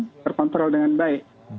kita harus mengontrol dengan baik